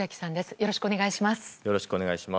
よろしくお願いします。